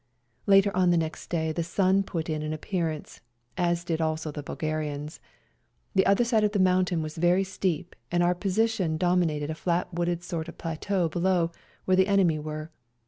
Later on the next day the sun put in an appearance, as did also the Bulgarians. The other side of the mountain was very steep, and our position dominated a flat wooded sort of plateau below, where the enemy were.